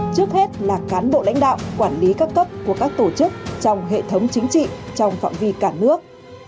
trước hết là cán bộ lãnh đạo quản lý các cấp của các tổ chức trong hệ thống chính trị trong phạm vi cả nước